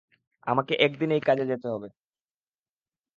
আমাকে এক দিনেই কাজে যেতে হবে।